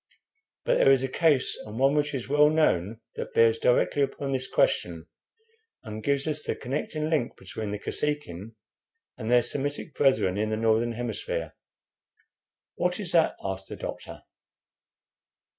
But there is a case, and one which is well known, that bears directly upon this question, and gives us the connecting link between the Kosekin and their Semitic brethren in the northern hemisphere." "What is that?" asked the doctor.